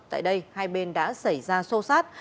trước đây hai bên đã xảy ra xô xát